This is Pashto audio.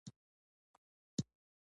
پلاستیک، او فاضله مواد لرې کړي.